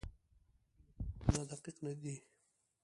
د تیلو پمپونه دقیق دي؟